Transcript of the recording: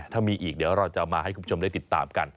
ถ้ามีอีกเดี๋ยวเราจะมาให้คุณผู้ชมได้ติดตามกัน